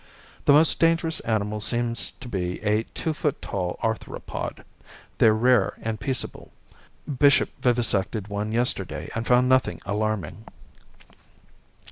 The most dangerous animal seems to be a two foot tall arthropod. They're rare and peaceable. Bishop vivisected one yesterday and found nothing alarming.